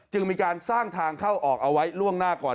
จึงมีการสร้างทางเข้าออกเอาไว้ล่วงหน้าก่อน